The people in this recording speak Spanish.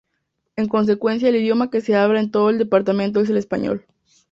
En consecuencia el idioma que se habla en todo el departamento es el español.